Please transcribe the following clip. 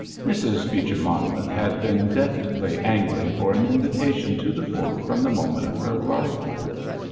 Mrs. Beecher Monmouth had been deftly angling for an invitation to the fort from the moment of her arrival.